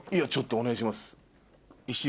お願いします。